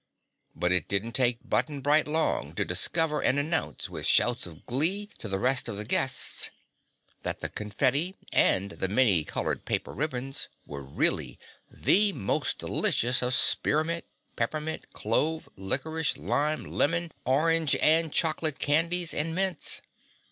But it didn't take Button Bright long to discover and announce with shouts of glee to the rest of the guests, that the confetti and the many colored paper ribbons were really the most delicious of spearmint, peppermint, clove, licorice, lime, lemon, orange and chocolate candies and mints.